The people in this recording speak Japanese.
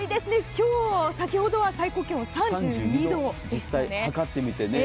今日先ほど最高気温３２度でしたよね。